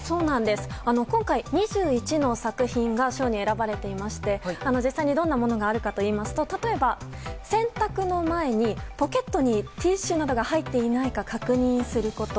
今回２１の作品が賞に選ばれていまして、実際にどんなものがあるかといいますと例えば、洗濯の前にポケットにティッシュなどが入っていないか確認すること。